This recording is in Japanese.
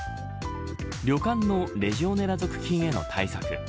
旅館のレジオネラ属菌への対策